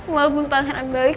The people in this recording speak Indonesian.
walaupun pangeran balik